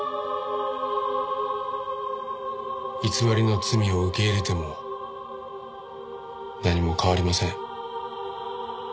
偽りの罪を受け入れても何も変わりません。